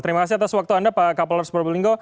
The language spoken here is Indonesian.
terima kasih atas waktu anda pak kapolors pro belingo